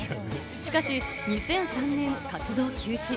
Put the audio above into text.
しかし２００３年、活動休止。